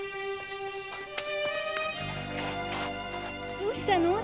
どうしたの？